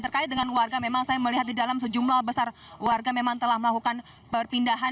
terkait dengan warga memang saya melihat di dalam sejumlah besar warga memang telah melakukan perpindahan